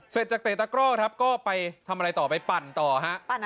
เสร็จจากเตะตะกร่อครับก็ไปทำอะไรต่อไปปั่นต่อฮะ